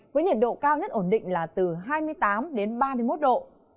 với nhiệt độ cao nhất ổn định là từ hai mươi tám đến ba mươi một độ